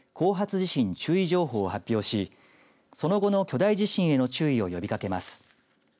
地震注意情報を発表しその後の巨大地震への注意を呼びかけます。